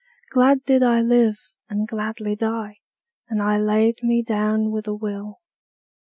Glad did I live and gladly die, And I laid me down with a will.